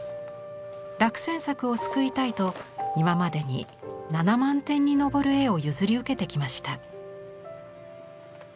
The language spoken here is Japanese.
落選作を救いたいと今までに７万点に上る絵を譲り受けてきました。